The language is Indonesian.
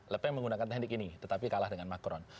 lepeng menggunakan teknik ini tetapi kalah dengan macron